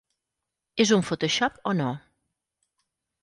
És un ‘photoshop’ o no?